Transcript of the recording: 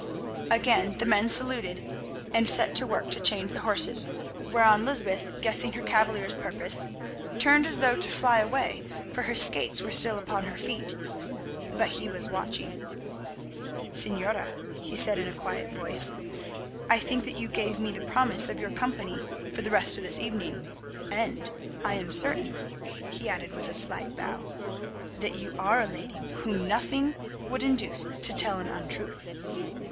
Again the men saluted and set to work to change the horses, whereon Lysbeth, guessing her cavalier's purpose, turned as though to fly away, for her skates were still upon her feet. But he was watching. "Señora," he said in a quiet voice, "I think that you gave me the promise of your company for the rest of this evening, and I am certain," he added with a slight bow, "that you are a lady whom nothing would induce to tell an untruth.